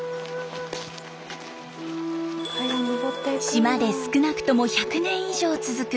島で少なくとも１００年以上続く